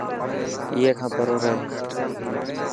اي کان پرو رهي.